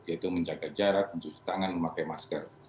yaitu menjaga jarak mencuci tangan memakai masker